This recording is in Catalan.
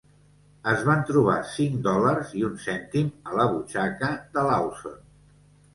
Es van trobar cinc dòlars i un cèntim a la butxaca de Lawson.